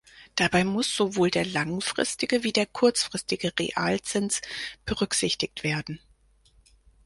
Dabei muss sowohl der langfristige wie der kurzfristige Realzins berücksichtigt werden.